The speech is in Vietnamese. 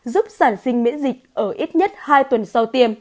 giúp sản sinh miễn dịch ở ít nhất hai tuần sau tiêm